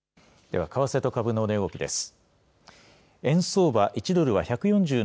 は為替と株の値動きです。